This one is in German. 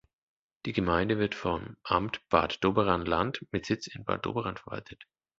Die Gemeinde wird vom Amt Bad Doberan-Land mit Sitz in Bad Doberan verwaltet.